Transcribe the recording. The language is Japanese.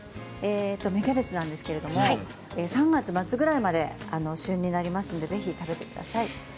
芽キャベツなんですけれど３月末ぐらいまで旬になりますのでぜひ食べてください。